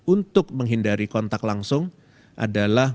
untuk menghindari kontak langsung adalah